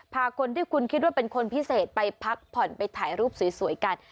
พาคนที่คุณคิดว่าเป็นคนพิเศษไปพักผ่อนไปถ่ายรูปสวยกัน